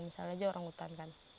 misalnya aja orangutan kan